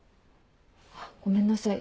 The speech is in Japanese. あっごめんなさい。